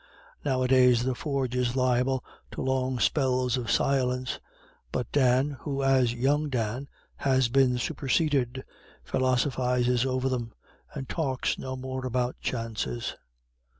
Nowadays the forge is liable to long spells of silence, but Dan, who as young Dan has been superseded, philosophises over them, and talks no more about chances.